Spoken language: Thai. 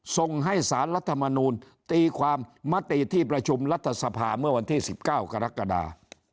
ส่งให้สารรัฐมนูลตีความมติที่ประชุมรัฐสภาเมื่อวันที่๑๙กรกฎา